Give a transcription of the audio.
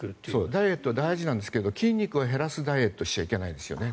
ダイエットは大事ですが筋肉を減らすダイエットはしちゃいけないですよね。